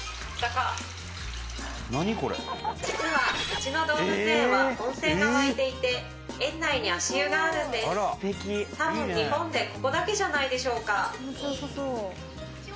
実はうちの動物園は温泉が湧いていて園内に足湯があるんです多分日本でここだけじゃないでしょうか